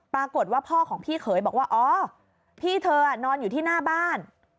ปรากฏว่าพ่อของพี่เขยบอกว่าอ๋อพี่เธอนอนอยู่ที่หน้าบ้าน